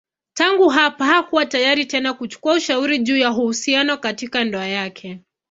Tangu hapa hakuwa tayari tena kuchukua ushauri juu ya uhusiano katika ndoa yake.